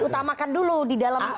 utamakan dulu di dalam